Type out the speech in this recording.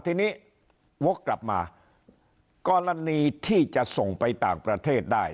ทีนี้วกกลับมากรณีที่จะส่งไปต่างประเทศได้